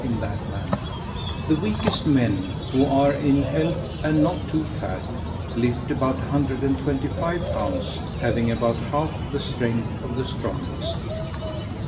in that manner. The weakest men who are in health and not too fat, lift about 125 lib. having about half the strength of the strongest.